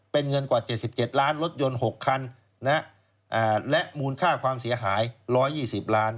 เป็นเงินกว่า๗๗ล้านรถยนต์๖คันและมูลค่าความเสียหาย๑๒๐ล้าน